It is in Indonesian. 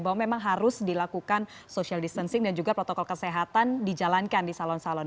bahwa memang harus dilakukan social distancing dan juga protokol kesehatan dijalankan di salon salon